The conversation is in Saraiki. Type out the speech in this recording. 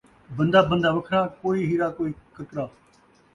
بندہ بندہ وکھرا، کُئی ہیرا کُئی ککرا